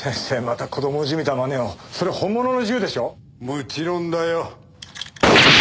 もちろんだよ。